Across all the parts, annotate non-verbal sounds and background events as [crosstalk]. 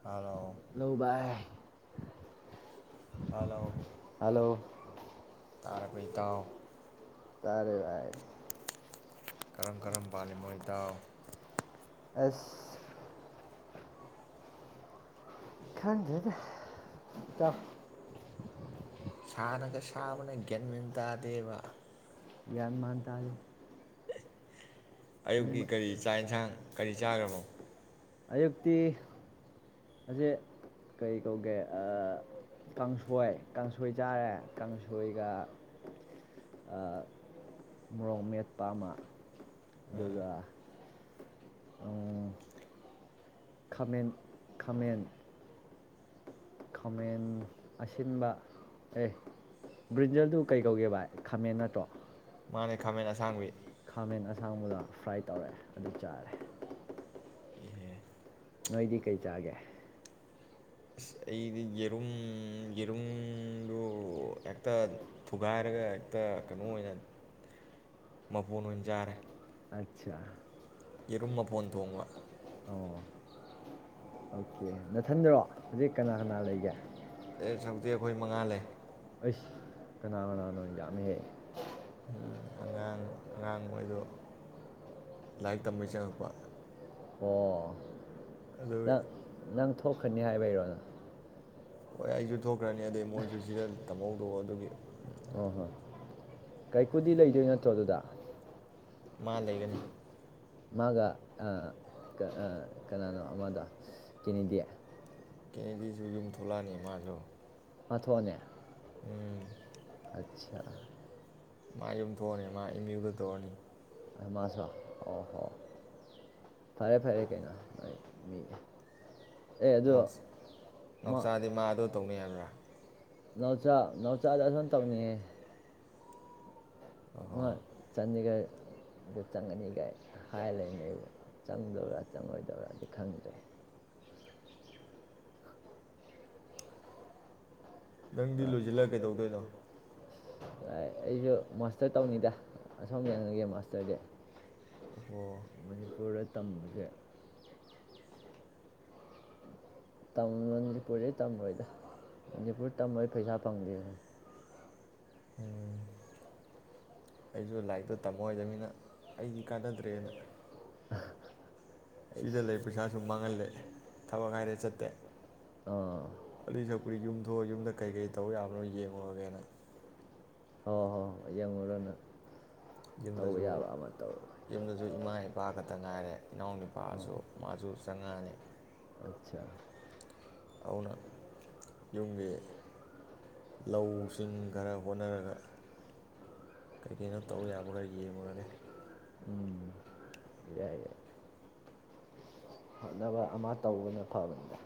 hello hello ꯚꯏ hello hello ꯇꯥꯔꯕ ꯏꯇꯥꯎ ꯇꯥꯔꯦ ꯚꯥꯏ ꯀꯔꯝ ꯀꯔꯝ ꯄꯥꯜꯂꯤ ꯃꯣꯏ ꯗꯥꯎ ꯑꯦꯁ ꯈꯪꯗꯦꯗ ꯏꯇꯥꯎ ꯁꯥꯅꯒ ꯁꯥꯕꯅ ꯒꯦꯟꯃꯤꯦꯟ ꯇꯥꯗꯦꯕ ꯒꯌꯥ꯭ꯟ ꯃꯥꯟꯇꯥꯗꯦ ꯑꯌꯨꯛꯀꯤ ꯀꯔꯤ ꯆꯥꯛ ꯌꯦꯟꯁꯥꯡ ꯀꯔꯤ ꯆꯥꯈ꯭ꯔꯕꯣ ꯑꯌꯨꯛꯇꯤ ꯑꯁꯤ ꯀꯩ ꯀꯧꯒꯦ ꯀꯥꯡꯁꯣꯏ ꯀꯥꯡꯁꯣꯏ ꯆꯥꯔꯦ ꯀꯥꯡꯁꯣꯏꯒ ꯃꯣꯔꯣꯛ ꯃꯦꯠꯄ ꯑꯃ ꯑꯗꯨꯒ ꯑ ꯈꯥꯃꯦꯟ ꯈꯥꯃꯦꯟ ꯈꯥꯃꯦꯟ ꯑꯁꯤꯟꯕ ꯑꯦ ꯕ꯭ꯔꯤꯟꯖꯜꯗꯨ ꯀꯩ ꯀꯧꯒꯦ ꯚꯏ ꯈꯥꯃꯦꯟ ꯅꯠꯇ꯭ꯔꯣ ꯃꯥꯅꯦ ꯈꯥꯃꯦꯟ ꯑꯁꯥꯡꯕꯤ ꯈꯥꯃꯦꯟ ꯑꯁꯥꯡꯕꯗ ꯐ꯭ꯔꯥꯏ ꯇꯧꯔꯑꯦ ꯑꯗꯨ ꯆꯥꯔꯦ ꯏꯍꯦ ꯅꯣꯏꯗꯤ ꯀꯩ ꯆꯥꯒꯦ ꯑꯁ ꯑꯩꯗꯤ ꯌꯦꯔꯨꯝ ꯌꯦꯔꯨꯝꯗꯨ ꯍꯦꯛꯇ ꯊꯨꯒꯥꯏꯔꯒ ꯍꯦꯛꯇ ꯀꯩꯅꯣ ꯑꯣꯏꯅ ꯃꯄꯣꯟ ꯑꯣꯏꯅ ꯆꯥꯔꯦ ꯑꯆꯥ ꯌꯦꯔꯨꯝ ꯃꯐꯣꯟ ꯊꯣꯡꯕ ꯑꯣ ꯑꯣꯀꯦ ꯅꯊꯟꯗꯔꯣ ꯍꯧꯖꯤꯛ ꯀꯅꯥ ꯀꯅꯥ ꯂꯩꯒꯦ ꯑꯦ ꯁꯛꯇꯤ ꯑꯩꯈꯣꯏ ꯃꯉꯥ ꯂꯩ ꯑꯩꯁ ꯀꯅꯥ ꯀꯅꯥꯅꯣ ꯌꯥꯝꯃꯦꯍꯦ ꯑꯉꯥꯡ ꯑꯉꯥꯡ ꯃꯣꯏꯗꯣ ꯂꯥꯏꯔꯤꯛ ꯇꯝꯕꯩ ꯆꯪꯉꯛꯄ ꯑꯣ ꯑꯗꯨꯒꯤ ꯇ ꯅꯪ ꯊꯣꯛꯀꯅꯤ ꯍꯥꯏꯕꯩꯔꯣꯅ ꯑꯣꯏ ꯑꯩꯖꯨꯠ ꯊꯣꯛꯈ꯭ꯔꯅꯤ ꯑꯗꯩ ꯃꯣꯏꯖꯨ ꯁꯤꯗ ꯇꯝꯍꯧꯗ ꯑꯗꯨꯒꯤ ꯑꯣ ꯍꯣ ꯀꯥꯏꯀꯨꯗꯤ ꯂꯩꯗꯣꯏ ꯅꯠꯇ꯭ꯔꯣ ꯑꯗꯨꯗ ꯃꯥ ꯂꯩꯒꯅꯤ ꯃꯥꯒ ꯀꯅꯥꯅꯣ ꯑꯃꯗꯣ ꯀꯤꯅꯤꯗꯤ ꯀꯦꯒꯤꯁꯨ ꯌꯨꯝ ꯊꯣꯛꯂꯛꯑꯅꯤ ꯃꯥꯁꯨ ꯄꯥꯊꯣꯅꯦ ꯎꯝ ꯑꯆꯥ ꯃꯥ ꯌꯨꯝꯊꯣꯛꯑꯅꯤ ꯃꯥ ꯏꯝꯌꯨꯗꯥ ꯇꯧꯔꯥꯅꯤ ꯑꯩꯃꯥꯁ ꯑꯣ ꯍꯣ ꯐꯔꯦ ꯐꯔꯦ ꯀꯩꯅꯣ ꯃꯤ ꯑꯦ ꯑꯗꯣ ꯅꯣꯛꯁ ꯅꯥꯎꯆꯥꯗꯤ ꯃꯥ ꯑꯗꯨ ꯇꯧꯅꯤ ꯍꯥꯏꯕ꯭ꯔꯥ ꯅꯥꯎꯆꯥꯥ ꯅꯥꯎꯆꯥꯗ ꯑꯗꯨꯝ ꯇꯧꯅꯤꯌꯦ ꯑꯣꯍꯣ ꯃ ꯆꯠꯅꯤꯒꯔ ꯑꯗꯨ ꯆꯪꯉꯅꯤꯒꯥꯏ ꯍꯥꯏ ꯂꯩꯅꯦ ꯆꯪꯗꯣꯏꯕꯔꯥ ꯆꯪꯉꯣꯏꯗꯣꯏꯔꯥꯗꯤ ꯈꯪꯗ꯭ꯔꯦ ꯅꯪꯗꯤ ꯂꯣꯏꯁꯤꯜꯂ ꯀꯩꯗꯧꯗꯣꯏꯅꯣ ꯑꯩꯖꯨ ꯃꯥꯁꯇꯔ ꯇꯧꯅꯤꯗ ꯑꯁꯣꯝ ꯌꯦꯡꯅꯒꯦ ꯃꯥꯁꯇꯔꯗꯤ ꯑꯣ ꯃꯅꯤꯄꯨꯔꯗ ꯇꯝꯕꯁꯦ ꯃꯅꯤꯄꯨꯔꯩ ꯇꯝꯃꯣꯏꯗ ꯃꯅꯤꯄꯨꯔ ꯇꯝꯃꯣꯏ ꯄꯩꯁꯥ ꯐꯪꯗꯦꯅꯤ ꯎꯝ ꯑꯩꯁꯨ ꯂꯥꯏꯔꯤꯛꯇꯣ ꯇꯝꯃꯣꯏꯗꯃꯤꯅꯤꯅ ꯑꯩꯗꯤ ꯀꯥꯟꯅꯗ꯭ꯔꯦꯅ ꯁꯤꯗ ꯂꯩ ꯄꯩꯁꯥꯁꯨ ꯃꯥꯡꯍꯜꯂꯦ ꯑ [inaudible] ꯑꯂꯤ ꯁꯛꯄꯨꯗꯤ ꯌꯨꯝ ꯊꯣꯛꯣꯛꯑꯒ ꯌꯨꯝꯗ ꯀꯩꯀꯔꯤ ꯇꯧ ꯌꯥꯕꯅꯣ ꯌꯦꯡꯉꯨꯔꯒꯦꯅ ꯍꯣꯏ ꯍꯣꯏ ꯍ ꯌꯦꯡꯉꯨꯔꯅ ꯌꯨꯝꯗꯁꯨ ꯌꯨꯝꯗꯁꯨ ꯏꯃꯥ ꯏꯄꯥ ꯈꯛꯇ ꯉꯥꯏꯔꯦ ꯏꯅꯥꯎ ꯑꯣ ꯅꯨꯄꯥꯑꯁꯨ ꯃꯥꯁꯨ ꯆꯪꯉꯛꯑꯅꯤ ꯑꯆꯥ ꯍꯧꯅ ꯌꯨꯝꯒꯤ ꯂꯧꯁꯤꯡ ꯈꯔ ꯍꯣꯠꯅꯔꯒ ꯀꯩ ꯀꯩꯅꯣ ꯇꯧ ꯌꯥꯕ ꯈꯔ ꯌꯦꯡꯂꯡꯉꯨꯔꯒꯦ ꯎꯝ ꯌꯥꯏ ꯌꯥꯏ ꯍꯣꯠꯅꯕ ꯑꯃ ꯇꯧꯕꯅ ꯐꯕꯅꯤꯗ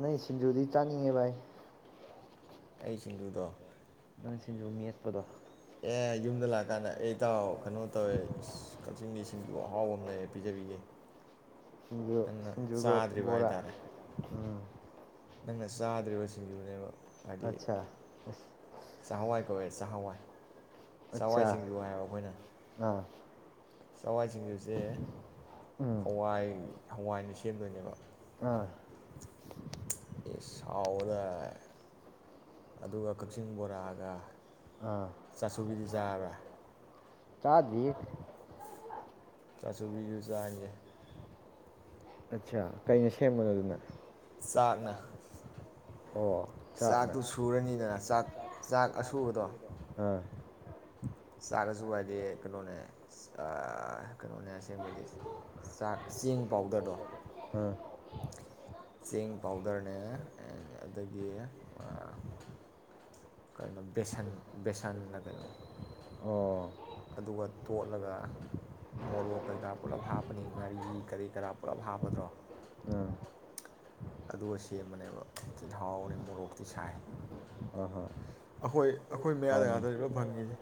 ꯅꯣꯏ ꯁꯤꯡꯖꯨꯗꯤ ꯆꯥꯅꯤꯡꯉꯦ ꯚꯥꯏ ꯑꯩ ꯁꯤꯡꯗꯨꯨꯗꯣ ꯅꯪ ꯁꯤꯁꯤꯡꯖꯨ ꯃꯤꯌꯦꯠꯄꯗꯣ ꯑꯦ ꯌꯨꯝꯗ ꯂꯥꯛꯑꯀꯥꯟꯗ ꯑꯩꯇꯥꯎ ꯀꯩꯅꯣ ꯇꯧꯋꯦ ꯀꯛꯆꯤꯡꯒꯤ ꯁꯤꯡꯖꯨ ꯑꯍꯥꯎꯕ ꯑꯃ ꯂꯩ ꯄꯤꯖꯕꯤꯒꯦ ꯅꯪꯅ ꯁꯤꯟꯖꯨꯒ ꯆꯥꯗ꯭ꯔꯤꯕ ꯕꯣꯔꯥ ꯍꯥꯏꯇꯥꯔꯦ ꯎꯝ ꯅꯪꯅ ꯆꯥꯗ꯭ꯔꯤꯕꯁꯤꯡꯗꯨꯅꯦꯕ ꯍꯥꯏ ꯑꯠꯆꯥ ꯑꯁ ꯆꯍꯋꯥꯥꯏ ꯍꯣꯏꯦ ꯆꯍꯥꯟꯋꯥꯏ ꯑꯆꯥ ꯑꯥ ꯆꯋꯥꯏꯁꯤꯡꯖꯁꯦ ꯎꯝ ꯍꯋꯥꯏ ꯍꯋꯥꯏꯅ ꯁꯦꯝꯗꯣꯏꯅꯦꯕ ꯑꯥ ꯑꯦ ꯁꯥꯎꯗ ꯑꯗꯨꯒ ꯀꯛꯆꯤꯡ ꯕꯣꯔꯥꯒ ꯑꯥ ꯆꯥꯁꯨꯕꯤꯗꯤ ꯆꯥꯕ꯭ꯔꯥ ꯆꯥꯗ ꯆꯥꯁꯨꯕꯤꯁꯨ ꯆꯥꯡꯥꯟꯒꯦ ꯑꯠꯆꯥ ꯀꯩꯅ ꯁꯦꯝꯕꯅꯣ ꯑꯗꯨꯅ ꯆꯥꯛꯅ ꯑꯣ ꯆꯥꯛꯅ ꯆꯥꯛꯇꯨ ꯁꯨꯔꯅꯤꯗꯅ ꯆꯥꯛ ꯆꯥꯛ ꯑꯁꯨꯕꯗꯣ ꯑꯥ ꯆꯥꯛꯒꯁꯨ ꯍꯥꯏꯗꯤ ꯀꯩꯅꯣꯅꯦ ꯀꯩꯅꯣꯅꯦ ꯑꯁꯦꯡꯕꯗꯤ ꯆꯥꯛ ꯆꯦꯡ ꯄꯥꯎꯗꯔꯗꯣ ꯑꯥ ꯆꯦꯡ ꯄꯥꯎꯗꯔꯅꯦ ꯑꯦ ꯑꯗꯒꯤ ꯀꯩꯅꯣ ꯕꯦꯁꯟ ꯕꯦꯁꯟꯅ ꯀꯩꯅꯣ ꯑꯣ ꯑꯗꯨꯒ ꯇꯣꯠꯂꯒ ꯃꯣꯔꯣꯛ ꯀꯩꯀꯥ ꯄꯨꯂꯞ ꯍꯥꯞꯄꯅꯤ ꯉꯥꯔꯤ ꯀꯔꯤ ꯀꯔꯥ ꯄꯨꯂꯞ ꯍꯥꯞꯄꯗ꯭ꯔꯣ ꯑꯥ ꯑꯗꯨꯒ ꯁꯦꯝꯕꯅꯦꯕ ꯇꯤꯜꯍꯥꯎꯅꯤ ꯃꯣꯔꯣꯛꯇꯤ ꯁꯥꯏ ꯑꯥ ꯍꯥ ꯑꯩꯈꯣꯏ ꯑꯩꯈꯣꯏ ꯃꯌꯥꯗ ꯍꯥꯎꯅꯤ ꯉꯥꯛꯇꯔꯤꯕ ꯐꯪꯉꯤꯁꯦ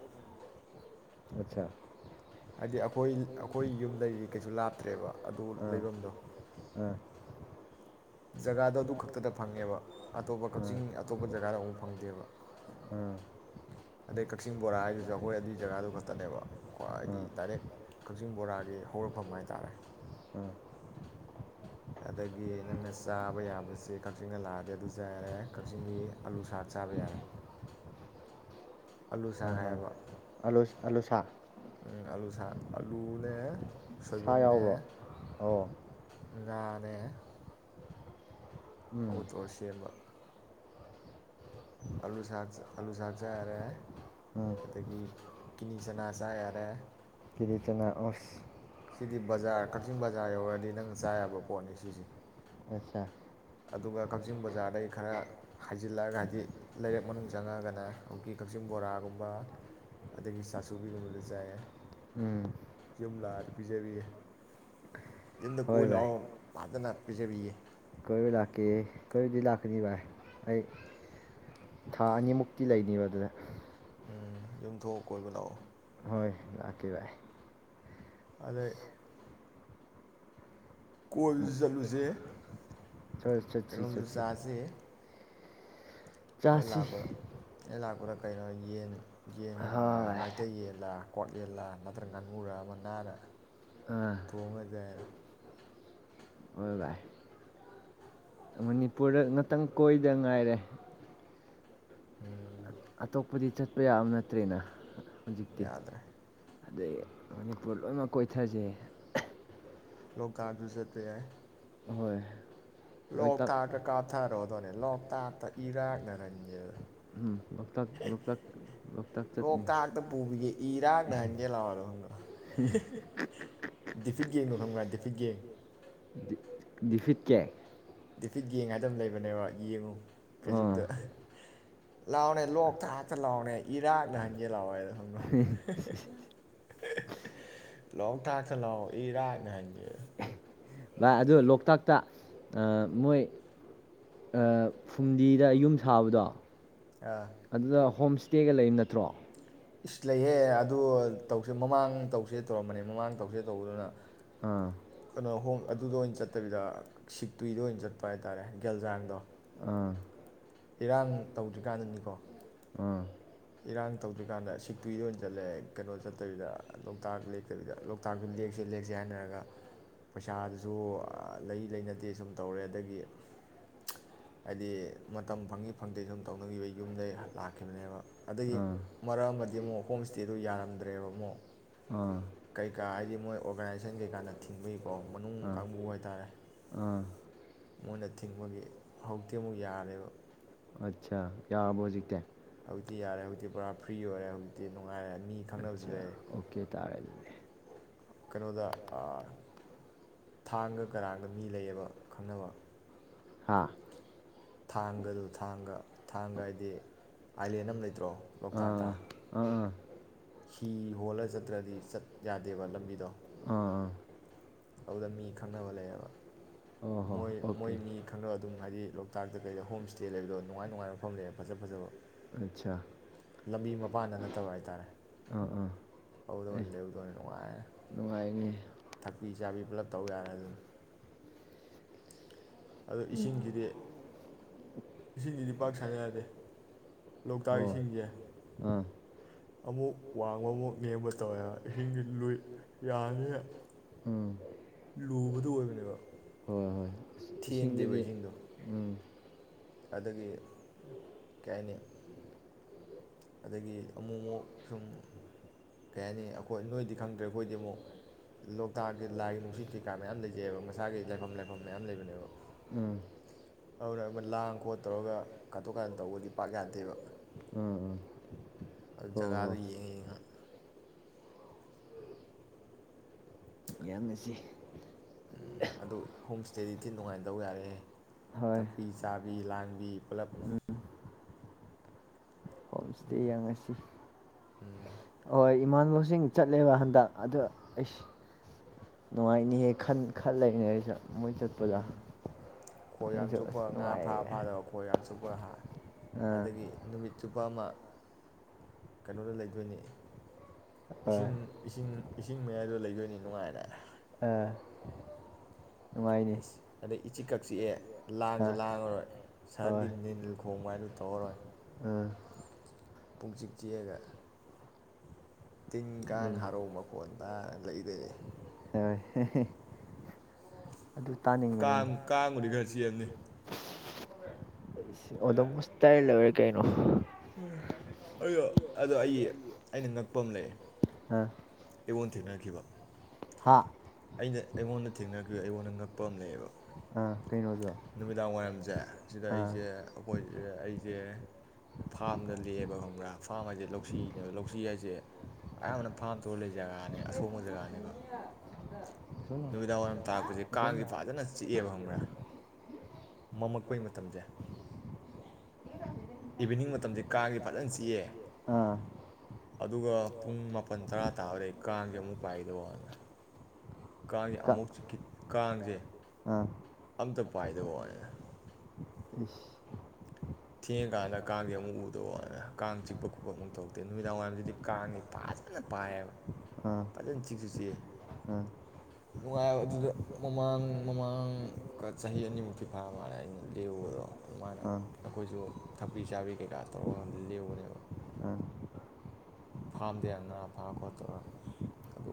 ꯑꯠꯆꯥ ꯍꯥꯏꯗꯤ ꯑꯩꯈꯣꯏ ꯑꯩꯈꯣꯏ ꯌꯨꯝ ꯂꯩꯔꯤ ꯀꯩꯁꯨ ꯂꯥꯞꯇ꯭ꯔꯦꯕ ꯑꯗꯨ ꯑꯥ ꯂꯩꯐꯝꯗꯣ ꯑꯥ ꯖꯒꯥꯗꯣ ꯑꯗꯨ ꯈꯛꯇꯗ ꯐꯪꯉꯦꯕ ꯑꯇꯣꯞꯄ ꯑꯥ ꯀꯛꯆꯤꯡ ꯑꯇꯣꯞꯄ ꯖꯒꯥꯗ ꯑꯃꯨꯛ ꯐꯪꯗꯦꯕ ꯑꯥ ꯑꯗꯩ ꯀꯛꯆꯤꯡ ꯕꯣꯔꯥ ꯍꯥꯏꯗꯨꯁꯨ ꯑꯩꯈꯣꯏ ꯑꯗꯨꯒꯤ ꯖꯒꯥꯗꯨ ꯈꯛꯇꯅꯦꯕ ꯈ꯭ꯋꯥ ꯍꯥꯏꯗꯤ ꯎꯝ ꯗꯥꯏꯔꯦꯛ ꯀꯛꯆꯤꯡ ꯕꯣꯔꯥꯒꯤ ꯍꯧꯔꯛꯐꯝ ꯍꯥꯏꯇꯥꯔꯦ ꯎꯝ ꯑꯗꯒꯤ ꯅꯪꯅ ꯆꯥꯕ ꯌꯥꯕꯕꯁꯤꯦ ꯀꯛꯆꯤꯡꯗ ꯂꯥꯛꯑꯗꯤ ꯑꯗꯨ ꯆꯥ ꯌꯥꯔꯦ ꯀꯛꯆꯤꯡꯒꯤ ꯑꯥꯂꯨ ꯁꯥꯛ ꯆꯥꯕ ꯌꯥꯔꯦ ꯑꯥꯂꯨ ꯁꯥꯡ ꯎꯝ ꯎꯝ ꯍꯥꯏꯕ ꯑꯂꯨ ꯑꯂꯨꯁꯥ ꯎ ꯑꯂꯨ ꯁꯥ ꯑꯂꯨꯅꯦ ꯁꯥ ꯌꯥꯎꯕ꯭ꯔꯣ ꯑꯣ ꯅꯦ ꯎꯝ ꯑꯠꯇꯣꯛꯑ ꯁꯦꯝꯕ ꯑꯥꯂꯨ ꯑꯥꯂꯨ ꯁꯥꯛ ꯆꯥ ꯌꯥꯔꯦ ꯎꯝ ꯑꯗꯒꯤ ꯀꯤꯅꯤ ꯆꯅꯥ ꯆꯥ ꯌꯥꯔꯦ ꯀꯔꯤꯆꯅꯥ ꯑꯣꯁ ꯁꯤꯗꯤ ꯕꯖꯥꯔ ꯀꯛꯆꯤꯡ ꯕꯖꯥꯔ ꯌꯧꯔꯗꯤ ꯅꯪ ꯆꯥꯕ ꯄꯣꯠꯅꯤ ꯁꯤꯁꯦ ꯑꯆꯥ ꯑꯗꯨꯒ ꯀꯛꯆꯤꯡ ꯕꯖꯥꯔꯗꯒꯤ ꯈꯔ ꯍꯥꯏꯖꯤꯜꯂꯛꯑꯒ ꯍꯥꯏꯗꯤ ꯂꯩꯔꯛ ꯃꯅꯨꯡ ꯆꯪꯉꯛꯒꯅ ꯍꯧꯖꯤꯛꯀꯤ ꯀꯛꯆꯤꯡ ꯕꯣꯔꯥꯒꯨꯝꯕ ꯑꯗꯒꯤ ꯆꯥꯁꯨꯕꯤꯒꯨꯝꯕꯗ ꯆꯥꯏꯌꯦ ꯎꯝ ꯌꯨꯝ ꯂꯥꯛꯑꯗꯤ ꯄꯤꯖꯕꯤꯌꯦ ꯌꯨꯝꯗ ꯍꯣꯏ ꯀꯣꯏ ꯚꯥꯏ ꯂꯥꯛꯑꯣ ꯐꯖꯅ ꯄꯤꯖꯕꯤꯌꯦ ꯀꯣꯏ ꯂꯥꯛꯀꯦ ꯀꯔꯤꯗꯤ ꯂꯥꯛꯀꯅꯤ ꯚꯥꯏ ꯑꯩ ꯊꯥ ꯑꯅꯤꯃꯨꯛꯇꯤ ꯂꯩꯅꯤꯕ ꯑꯗꯨꯗ ꯎꯝ ꯌꯨꯝꯊꯣꯛꯑ ꯀꯣꯏꯕ ꯂꯥꯛꯑꯣ ꯀꯦ ꯕꯥꯏ ꯑꯗ ꯀꯣꯜ ꯆꯠꯂꯨꯁꯦ ꯆꯠ ꯆꯠꯆꯤ ꯀꯩꯅꯣꯝꯁꯨ ꯆꯠꯆꯤ ꯂꯥꯛꯀ ꯂꯥꯛꯀꯔ ꯀꯩꯅꯣ ꯌꯦꯟ ꯌꯦꯟ ꯍꯣꯏ ꯃꯩꯇꯩ ꯌꯦꯟꯂꯥ ꯀꯣꯠꯂꯜꯂꯥ ꯅꯠꯇ꯭ꯔꯒ ꯉꯥꯅꯨꯔ ꯑꯃ ꯅꯥꯔ ꯑꯥ ꯊꯣꯡꯉꯗꯏꯔ ꯍꯣꯏ ꯚꯥꯏ ꯃꯅꯤꯄꯨꯔꯗ ꯉꯥꯛꯇꯪ ꯀꯣꯏꯗ ꯉꯥꯏꯔꯦ ꯎꯝ ꯑꯇꯣꯞꯄꯗꯤ ꯆꯠꯄ ꯌꯥꯕ ꯅꯠꯇ꯭ꯔꯦꯅ ꯍꯧꯖꯤꯛꯇꯤ ꯌꯥꯗ꯭ꯔꯦ ꯑꯗꯩ ꯃꯅꯤꯄꯨꯔ ꯂꯣꯏꯃꯛ ꯀꯣꯏꯊꯁꯦ ꯂ ꯍꯥꯥ ꯁ ꯇ ꯌꯥꯏ ꯍꯣꯏ ꯂꯣ ꯂꯣꯛꯇꯥꯛ ꯊꯥ ꯀ ꯀꯥꯊꯥ ꯔꯣꯗꯣꯅꯦ ꯂꯣꯛꯇꯥꯛꯇ ꯏꯔꯥꯛꯅꯔꯟꯉꯦ ꯎꯝ ꯂꯣꯛꯇꯥꯛ ꯂꯣꯛꯇꯥꯛ ꯂꯣꯛꯇꯥꯛ ꯆꯠꯅꯤ ꯂꯣꯛꯇꯥꯛꯇ ꯄꯨꯕꯤꯒꯦ ꯏꯔꯥꯛꯅꯍꯟꯒꯦ ꯂꯥꯛꯑꯣ ꯗꯤꯐꯤꯛ ꯌꯦꯡꯕꯣ ꯈꯪꯕ꯭ꯔꯥ ꯗꯤꯐꯤꯛ ꯌꯦꯡ ꯗꯤꯐꯤꯠ ꯀꯦ ꯗꯤꯐꯤꯠ ꯌꯦꯡ ꯍꯥꯏꯗꯅ ꯂꯩꯕꯅꯦꯕ ꯌꯦꯡꯉꯨ ꯑꯥ ꯀꯩꯖꯨꯛꯇ ꯂꯥꯛꯥꯎꯑꯣꯅꯦ ꯂꯣꯛ ꯊꯥꯛꯇ ꯂꯥꯎꯑꯣꯅꯦ ꯏꯔꯥꯛꯅ ꯍꯟꯒꯦ ꯂꯥꯛꯑꯣ ꯍꯥꯏꯅ ꯈꯪꯗꯣ ꯂꯣꯛ ꯊꯥꯛꯇ ꯂꯥꯛꯑꯣ ꯏꯔꯥꯛꯅ ꯍꯟꯒꯦ ꯚꯥꯏ ꯑꯗ ꯂꯣꯛꯇꯥꯛꯇ ꯃꯣꯏ ꯐꯨꯝꯗꯤꯗ ꯌꯨꯝ ꯁꯥꯕꯗꯣ ꯑꯥ ꯑꯗꯨꯗ ꯍꯣꯝ ꯏꯁꯇꯦꯒ ꯂꯩ ꯅꯠꯇ꯭ꯔꯣ ꯏꯁ ꯂꯩꯍꯦ ꯑꯗꯨ ꯇꯧꯁꯦ ꯃꯃꯥꯡ ꯇꯧꯁꯦ ꯇꯧꯔꯝꯕꯅꯦ ꯃꯃꯥꯡ ꯇꯧꯁꯦ ꯇꯧꯕꯗꯨꯅ ꯑꯥ ꯀꯩꯅꯣ ꯍꯣꯡ ꯑꯗꯨꯗ ꯑꯣꯏꯅ ꯆꯠꯇꯕꯤꯗ ꯁꯤꯛꯇꯨꯏꯗ ꯑꯣꯏꯅ ꯆꯠꯄ ꯍꯥꯏꯇꯥꯥꯔꯦ ꯒꯦꯜꯖꯥꯡꯗꯣ ꯑꯥ ꯏꯔꯥꯡ ꯇꯧꯗ꯭ꯔꯤꯀꯥꯟꯗꯅꯤꯀꯣ ꯑꯥ ꯏꯔꯥꯡ ꯇꯧꯗ꯭ꯔꯤꯀꯥꯟꯗ ꯁꯤꯛꯇꯨꯔꯤꯗ ꯑꯣꯏꯅ ꯆꯠꯂꯦ ꯀꯩꯅꯣ ꯆꯠꯇꯕꯤꯗ ꯂꯣꯛꯇꯥꯛ ꯂꯦꯛꯇꯕꯤꯗ ꯂꯣꯛꯇꯥꯛꯁꯨ ꯂꯦꯛꯁꯦ ꯂꯦꯛꯁꯦ ꯍꯥꯏꯅꯔꯒ ꯄꯩꯁꯥꯗꯨꯁꯨ ꯂꯩ ꯂꯩꯅꯗꯦ ꯁꯨꯝ ꯇꯧꯔꯦ ꯑꯗꯒꯤ ꯍꯥꯏꯗꯤ ꯃꯇꯝ ꯐꯪꯏꯤ ꯐꯪꯗꯦ ꯁꯨꯝ ꯇꯧꯅꯈꯤꯕ ꯌꯨꯝꯗꯩ ꯂꯥꯛꯈꯤꯕꯅꯦꯕ ꯑꯗꯒꯤ ꯃꯔꯛ ꯑꯃꯗꯤ ꯑꯃꯨꯛ ꯍꯣꯝ ꯏꯁꯇꯦꯗꯨ ꯌꯥꯔꯝꯗ꯭ꯔꯦꯕ ꯑꯃꯨꯛ ꯑꯥ ꯑꯥ ꯀꯩꯀꯥ ꯍꯥꯏꯗꯤ ꯃꯣꯏ ꯑꯣꯔꯒꯅꯥꯏꯖꯦꯁꯟ ꯀꯩꯀꯥꯅ ꯊꯤꯡꯕꯒꯤꯀꯣ ꯃꯅꯨꯡ ꯑꯥ ꯀꯥꯡꯕꯨ ꯍꯥꯏꯇꯥꯔꯦ ꯑꯥ ꯃꯣꯏꯅ ꯊꯤꯡꯕꯒꯤ ꯍꯧꯖꯤꯛꯇꯤ ꯑꯃꯨꯛ ꯌꯥꯔꯦꯕ ꯑꯆꯥ ꯌꯥꯔꯕꯣ ꯍꯧꯖꯤꯛꯇꯤ ꯍꯧꯖꯤꯛꯇꯤ ꯌꯥꯔꯦ ꯍꯧꯖꯤꯛꯇꯤ ꯄꯨꯔꯥ ꯐ꯭ꯔꯤ ꯑꯣꯏꯔꯦ ꯍꯧꯖꯤꯛꯇꯤ ꯅꯨꯡꯉꯥꯏꯔꯦ ꯃꯤ ꯈꯪꯅꯕꯁꯨ ꯑꯠꯆꯥ ꯂꯩꯔꯦ ꯑꯣꯀꯦ ꯇꯥꯔꯦ ꯑꯗꯨꯅꯦ ꯀꯩꯅꯣꯗ ꯍꯥꯥ ꯊꯥꯡꯒꯗꯨ ꯊꯥꯡꯒ ꯊꯥꯡꯒ ꯍꯥꯏꯗꯤ ꯑꯥꯏꯂꯦꯟ ꯑꯃ ꯂꯩꯇ꯭ꯔꯣ ꯂꯣꯛꯇꯥꯛꯇ ꯑꯥ ꯑꯥ ꯑꯥ ꯑꯥ ꯍꯤ ꯍꯣꯜꯂ ꯆꯠꯇ꯭ꯔꯗꯤ ꯆꯠ ꯌꯥꯗꯦꯕ ꯂꯝꯕꯤꯗꯣ ꯑꯥ ꯑꯗꯨꯗ ꯃꯤ ꯈꯪꯅꯕ ꯂꯩꯌꯦꯕ ꯑꯣ ꯍꯣ ꯃꯣꯏ ꯃꯣꯏ ꯑꯣꯀꯦ ꯃꯤ ꯈꯪꯅꯕ ꯑꯗꯨꯝ ꯍꯥꯏꯗꯤ ꯂꯣꯛꯇꯥꯛꯇ ꯀꯩꯗ ꯍꯣꯝ ꯏꯁꯇꯦ ꯂꯩꯕꯗꯣ ꯅꯨꯡꯉꯥꯏ ꯅꯨꯡꯉꯥꯏꯕ ꯃꯐꯝ ꯂꯩꯌꯦꯦꯕ ꯐꯖ ꯐꯖꯕ ꯑꯠꯆꯥ ꯂꯝꯕꯤ ꯃꯄꯥꯟꯗ ꯅꯠꯇꯕ ꯍꯥꯏ ꯇꯥꯔꯦ ꯑꯥ ꯑꯥ ꯑꯗꯨꯗ ꯑꯦ ꯑꯣꯏꯅ ꯂꯩꯔꯗꯣ ꯑꯣꯏꯅ ꯅꯨꯡꯉꯥꯏ ꯅ ꯅꯨꯡꯉꯥꯏꯅꯤ ꯊꯛꯄꯤ ꯆꯥꯕꯤ ꯄꯨꯂꯞ ꯇꯧ ꯌꯥꯔꯦ ꯑꯗꯨꯝ ꯑꯗꯣ ꯏꯁꯤꯡꯁꯤꯗꯤ ꯏꯁꯤꯡꯁꯤꯗꯤ ꯄꯥꯛ ꯁꯥꯟꯅ ꯌꯥꯗꯦ ꯂꯣꯛꯇꯥꯛ ꯑꯣ ꯏꯁꯤꯡꯁꯦ ꯑꯥ ꯑꯃꯨꯛ ꯋꯥꯡꯕ ꯑꯃꯨꯛ ꯅꯦꯝꯕ ꯇꯧꯋꯦ ꯏꯍꯤꯡꯁꯤ ꯌꯥꯅꯤ ꯎꯝ ꯂꯨꯕꯗꯨ ꯑꯣꯏꯕꯅꯦꯕ ꯍꯣꯏ ꯍꯣꯏ ꯊꯦꯟꯗꯦꯕ ꯏꯁꯤꯡꯗꯗꯤ ꯏꯁꯤꯡꯗꯣ ꯎꯝ ꯑꯗꯒꯤ ꯀꯩ ꯍꯥꯏꯅꯤ ꯑꯗꯒꯤ ꯑꯃꯨꯛ ꯑꯃꯨꯛ ꯁꯨꯝ ꯀꯩ ꯍꯥꯏꯅꯤ ꯑꯩꯈꯣꯏ ꯅꯣꯏꯗꯤ ꯈꯪꯗ꯭ꯔꯦ ꯑꯩꯈꯣꯏꯗꯤ ꯑꯃꯨꯛ ꯂꯣꯛꯇꯥꯛꯀꯤ ꯂꯥꯏꯒꯤ ꯅꯨꯡꯁꯤꯠ ꯀꯩꯀꯥ ꯃꯌꯥꯝ ꯂꯩꯖꯩꯑꯕ ꯃꯁꯥꯒꯤ ꯂꯥꯏꯐꯝ ꯂꯥꯏꯐꯝ ꯃꯌꯥꯝ ꯂꯩꯕꯅꯦꯕ ꯎꯝ ꯑꯗꯨꯅ ꯂꯥꯡ ꯈꯣꯠ ꯇꯧꯔꯒ ꯀꯥꯊꯣꯛ ꯀꯥꯔꯟ ꯇꯧꯕꯗꯤ ꯄꯥꯛ ꯌꯥꯗꯦꯕ ꯎꯝ ꯎꯝ ꯑꯗꯨ ꯍꯣꯏ ꯖꯒꯥꯗ ꯍꯣꯏ ꯌꯦꯡꯉ ꯌꯦꯉ ꯌꯥꯝꯅꯁꯤ ꯝ ꯑꯗꯨ ꯍꯣꯝ ꯏꯁꯇꯦꯗꯤ ꯊꯤ ꯅꯨꯡꯉꯥꯏꯅꯗꯧ ꯌꯥꯔꯦ ꯍꯣꯏ ꯊꯛꯄꯤ ꯆꯥꯕꯤ ꯂꯥꯡꯕꯤ ꯄꯨꯂꯞ ꯍꯣꯝ ꯏꯁꯇꯦ ꯌꯦꯡꯉꯁꯤ ꯍꯣꯏ ꯏꯃꯥꯟꯅꯕꯁꯤꯡ ꯆꯠꯂꯦꯕ ꯍꯟꯗꯛ ꯑꯗꯨ ꯑꯩꯁ ꯅꯨꯡꯉꯥꯏꯅꯤꯍꯦ ꯈꯟ ꯂꯩꯔꯤꯉꯩꯁꯨ ꯎꯝ ꯈꯣꯏ ꯌꯥ ꯑꯩꯁꯨ ꯆꯣꯞꯄ ꯑꯁ ꯉꯥ ꯐꯥ ꯅꯨꯡꯉꯥꯏꯌꯦ ꯐꯥꯗꯕ ꯈꯣꯏ ꯌꯥꯝ ꯆꯣꯞꯄꯒ ꯍꯥ ꯑꯥ ꯑꯗꯒꯤ ꯅꯨꯃꯤꯠ ꯆꯨꯞꯄ ꯑꯃ ꯀꯩꯅꯣꯗ ꯂꯩꯗꯣꯏꯅꯤ ꯍꯣꯏ ꯏꯁꯤꯡ ꯏꯁꯤꯡ ꯏꯁꯤꯡ ꯃꯌꯥꯏꯗꯣ ꯂꯩꯗꯣꯏꯅꯤ ꯅꯨꯡꯉꯥꯏꯔ ꯑꯥ ꯅꯨꯡꯉꯥꯏꯅꯤ ꯑꯁ ꯑꯗꯩ ꯏꯆꯤꯛꯀꯛ ꯆꯤꯛꯑꯦ ꯂꯥꯡꯁꯨ ꯑꯥ ꯂꯥꯡꯉꯔꯣꯏ ꯍꯣꯏ ꯁꯍꯔꯒꯤ ꯅꯤꯜ ꯈꯣꯡꯕ ꯍꯥꯏꯗꯨ ꯇꯧꯔꯔꯣꯏ ꯑꯥ ꯄꯨꯡ ꯆꯤꯛ ꯆꯤꯛꯑꯒ ꯇꯤꯟ ꯀꯥꯡ ꯑꯗꯨꯅꯤ ꯍꯔꯥꯎ ꯃꯈꯣꯟ ꯇꯥꯔ ꯂꯩꯗꯣꯏꯅꯤ ꯍꯣꯏ ꯑꯗꯨ ꯇꯥꯅꯤꯡꯕꯅꯤꯅꯦ ꯀꯥꯡ ꯀꯥꯡ ꯕꯨꯗꯤ ꯈꯔ ꯆꯤꯛꯑ ꯆꯦꯜꯃꯤ ꯑꯣꯗꯣꯃꯁ ꯇꯩꯏꯔ ꯂꯣꯏꯔꯦ ꯀꯩꯩꯅꯣ ꯎꯝ ꯑꯩ ꯑꯗꯣ ꯑꯩ ꯑꯩꯅ ꯉꯛꯄ ꯑꯃ ꯂꯩ ꯑ ꯑꯩꯉꯣꯟ ꯊꯦꯡꯅꯈꯤꯕ ꯑꯩꯅ ꯑꯩꯉꯣꯟꯗ ꯊꯦꯡꯅꯈꯤꯕ꯭ ꯑꯩꯉꯣꯟꯗ ꯉꯛꯄ ꯑꯃ ꯂꯩꯌꯦꯕ ꯑꯥ ꯀꯩꯅꯣꯗꯣ ꯅꯨꯃꯤꯗꯥꯡ ꯋꯥꯏꯔꯝꯁꯦ ꯁꯤꯗ ꯑꯥ ꯑꯩꯁꯦ ꯑꯩꯈꯣꯏ ꯑꯩꯁꯦ ꯐꯥꯔꯝꯗ ꯂꯦꯛꯑꯦꯕ ꯈꯪꯕ꯭ꯔꯥ ꯐꯥꯔꯝ ꯍꯥꯏꯁꯦ ꯂꯧꯁꯤꯅꯦꯕ ꯂꯧꯁꯤ ꯍꯥꯏꯁꯦ ꯑꯌꯥꯝꯕꯅ ꯐꯥꯝ ꯇꯧꯔ ꯂꯩ ꯖꯒꯥꯅꯦ ꯑꯁꯣꯡꯕ ꯖꯒꯥꯅꯦꯕ ꯅꯨꯃꯤꯗꯥꯡ ꯋꯥꯏꯔꯝ ꯇꯥꯔꯛꯄꯁꯦ ꯀꯥꯡꯁꯤꯦ ꯐꯖꯅ ꯆꯤꯛꯑꯦꯕ ꯈꯪꯕ꯭ꯔꯥ ꯃꯝꯃꯛꯄꯒꯤ ꯃꯇꯝꯁꯦ ꯏꯚꯤꯅꯤꯡ ꯃꯇꯝꯁꯦ ꯀꯥꯡꯁꯤ ꯐꯖꯅ ꯆꯤꯛꯑꯦ ꯑꯥ ꯑꯗꯨꯒ ꯄꯨꯡ ꯃꯥꯄꯜ ꯇꯔꯥ ꯇꯥꯕꯗ ꯀꯥꯡꯁ ꯑꯃꯨꯛ ꯄꯥꯏꯒꯤꯗꯧꯕꯩ ꯋꯥꯅꯦ ꯀꯥꯡꯁꯦ ꯀ ꯑꯃꯨꯛ ꯆꯤꯠ ꯀꯥꯡꯁꯦ ꯑꯥ ꯑꯝꯇ ꯄꯥꯏꯗꯕ ꯋꯥꯅꯤꯅ ꯏꯁ ꯊꯦꯡꯉꯀꯥꯟꯗ ꯀꯥꯡꯖꯤ ꯑꯃꯨꯛ ꯎꯗ ꯋꯥꯅꯦ ꯀꯥꯡ ꯆꯤꯛꯄ ꯈꯣꯠꯄ ꯑꯃꯨꯛ ꯊꯣꯛꯧꯛꯇꯦ ꯅꯨꯃꯤꯗꯥꯡ ꯋꯥꯏꯔꯝꯁꯤꯗꯤ ꯀꯥꯡꯁꯤꯦ ꯐꯖꯅ ꯄꯥꯏꯌꯦꯕ ꯑꯥ ꯐꯖꯅ ꯆꯤꯛꯁꯤ ꯆꯤꯛ ꯑꯥ ꯅꯨꯡꯉꯥꯏꯕ ꯑꯗꯨꯗ ꯃꯃꯥꯡ ꯃꯃꯥꯡꯒ ꯆꯍꯤ ꯑꯅꯤꯃꯨꯛꯇꯤ ꯐꯥ ꯃꯥꯜꯂꯦ ꯑꯩꯅ ꯂꯦꯛꯎꯨꯕꯗꯣ ꯑꯗꯨꯃꯥꯏꯅ ꯑꯥ ꯑꯩꯈꯣꯏꯁꯨ ꯊꯛꯄꯤ ꯆꯥꯕꯤ ꯀꯩꯀꯥ ꯇꯧꯔ ꯂꯩꯕꯅꯦꯕ ꯑꯥ ꯐꯥꯝꯗꯦ ꯌꯥꯝ ꯉꯥ ꯐꯥꯔ ꯈꯣꯠꯇꯔ ꯑꯗꯨ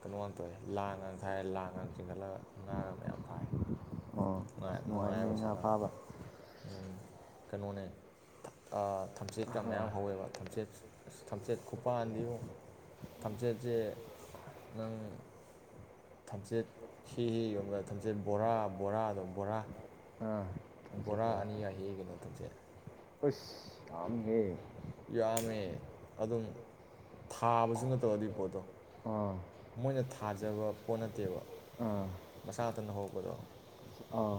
ꯀꯩꯅꯣꯃ ꯇꯧꯋꯦ ꯂꯥꯡꯒꯥꯡ ꯊꯥꯏꯔꯦ ꯂꯥꯡꯒ ꯆꯤꯡꯈꯠꯂꯒ ꯉꯥꯒ ꯃ ꯌꯥꯝ ꯐꯥꯏ ꯑꯣ ꯑꯁ ꯅꯨꯡꯉ ꯅꯨꯡꯉꯥꯏ ꯅꯨꯡꯉꯥꯏꯅꯦ ꯉꯥ ꯁꯥꯟꯅꯕ ꯐꯥꯕ ꯀꯩꯅꯣꯅꯦ ꯊꯝꯆꯦꯠꯀ ꯍꯣꯏ ꯃꯌꯥꯝ ꯍꯧꯋꯦꯕ ꯊꯝꯆꯦꯠ ꯑꯁ ꯊꯝꯆꯦꯠ ꯈꯨꯄꯥꯟꯥꯟꯗꯤꯕꯨꯨ ꯊꯝꯆꯦꯠꯁꯦ ꯅꯪ ꯊꯝꯆꯦꯠ ꯍꯤ ꯍꯤ ꯌꯣꯟꯕꯗ ꯊꯝꯆꯦꯠ ꯕꯣꯔꯥ ꯕꯣꯔꯥꯗꯣ ꯕꯣꯔꯥ ꯑꯥ ꯕꯣꯔꯥ ꯀꯥꯡꯆꯤꯄꯨꯔ ꯑꯅꯤꯒ ꯍꯦꯛꯑ ꯀꯩꯅꯣ ꯊꯝꯆꯦꯠ ꯑꯁ ꯌꯥꯝꯃꯦꯍꯦ ꯌꯥꯝꯃꯦ ꯑꯗꯨꯝ ꯊꯥꯕꯁꯨ ꯅꯠꯇꯖ ꯑꯗꯨꯏ ꯄꯣꯠꯇꯣ ꯑꯥ ꯃꯣꯏꯅ ꯊꯥꯖꯕ ꯄꯣꯠ ꯅꯠꯇꯦꯕ ꯑꯥ ꯃꯁꯥ ꯃꯊꯟꯇꯅ ꯍꯧꯔꯛꯄꯗꯣ ꯑꯥ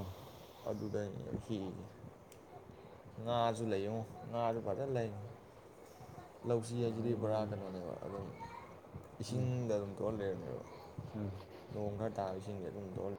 ꯑꯗꯨꯗꯅꯦꯕ ꯍꯦꯛꯏꯁꯦ ꯉꯥꯁꯨ ꯂꯩꯌꯦꯉꯣ ꯉꯥꯁꯨ ꯐꯖꯅ ꯂꯩꯕꯅꯤ ꯂꯧꯁꯤ ꯍꯥꯏꯁꯤꯗꯤ ꯄꯨꯔꯥ ꯅꯨꯡꯉꯥꯏꯅꯤ ꯀꯩꯅꯣꯅꯦꯕ ꯑꯗꯨꯝ ꯎꯝ ꯏꯁꯤꯡꯗ ꯑꯗꯨꯝ ꯇꯣꯛꯑꯒ ꯂꯩꯔꯕꯝꯅꯦꯕ ꯎꯝ ꯅꯣꯡ ꯈꯔ ꯇꯥꯕ ꯏꯁꯤꯡꯁꯦ ꯑꯗꯨꯝ ꯇꯣꯛꯍꯜꯂꯤ